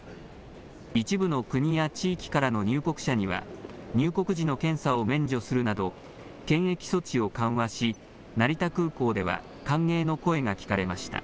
一部の国や地域からの入国者には、入国時の検査を免除するなど、検疫措置を緩和し、成田空港では歓迎の声が聞かれました。